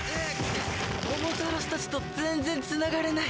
モモタロスたちと全然つながれない。